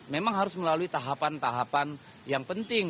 memang harus melalui tahapan tahapan yang penting